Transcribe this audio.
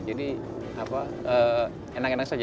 jadi enak enak saja